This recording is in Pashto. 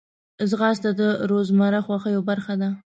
ځغاسته د روزمره خوښیو برخه ده